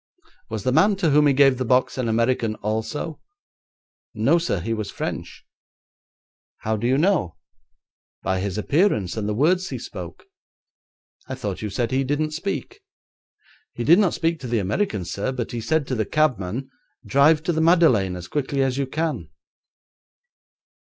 'Was the man to whom he gave the box an American also?' 'No, sir, he was French.' 'How do you know?' 'By his appearance and the words he spoke.' 'I thought you said he didn't speak.' 'He did not speak to the American, sir, but he said to the cabman, "Drive to the Madeleine as quickly as you can."'